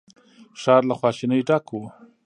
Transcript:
ښار له خواشينۍ ډک و.